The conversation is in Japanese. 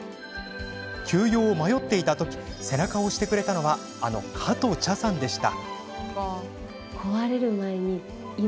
休養を迷っていた時背中を押してくれたのはあの加藤茶さんでした。